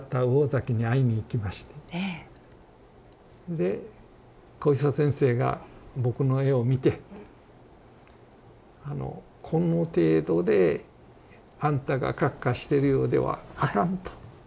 で小磯先生が僕の絵を見て「この程度であんたがカッカしてるようではあかん」と。